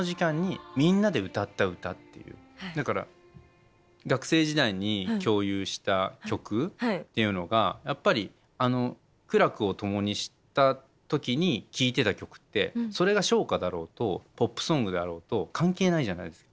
だから学生時代に共有した曲っていうのがやっぱり苦楽を共にした時に聴いてた曲ってそれが唱歌だろうとポップソングであろうと関係ないじゃないですか。